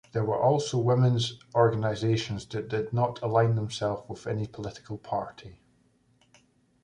There were also women's organizations that did not align themselves with any political party.